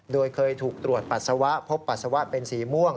โดยเคยถูกตรวจปัสสาวะพบปัสสาวะเป็นสีม่วง